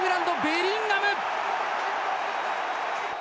ベリンガム！